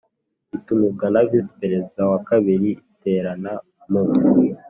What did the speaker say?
itumizwa na Visi Perezida wa kabiri Iterana mu